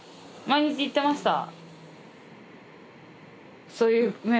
毎日行ってました。